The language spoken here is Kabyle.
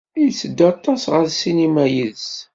Tetteddu aṭas ɣer ssinima yid-s.